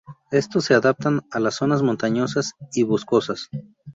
Estos se adaptan a las zonas montañosas y boscosas.